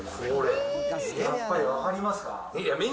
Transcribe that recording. やっぱり分かりますか。